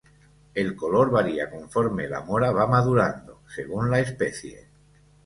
El color varía conforme la mora va madurando, según la especie.